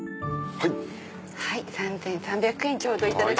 はい。